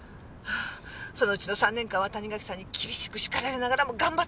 そのうちの３年間は谷垣さんに厳しく叱られながらも頑張った！